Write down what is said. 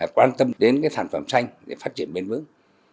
quan tâm đến sản phẩm xanh để phát triển bền vững